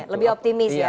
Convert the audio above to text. lebih optimis ya